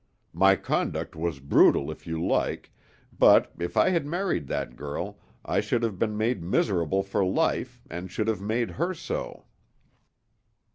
My conduct was brutal if you like, but if I had married that girl I should have been miserable for life and should have made her so."